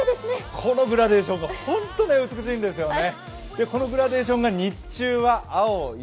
このグラデーションが本当に美しいんですよね。